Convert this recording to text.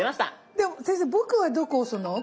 先生僕はどこ押すの？